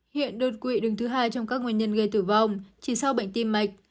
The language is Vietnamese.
hiện đột quỵ đứng thứ hai trong các nguyên nhân gây tử vong chỉ sau bệnh tim mạch